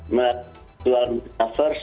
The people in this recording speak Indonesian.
melakukan virtual itu sah apa tidak